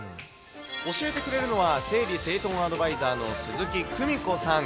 教えてくれるのは、整理整頓アドバイザーの鈴木久美子さん。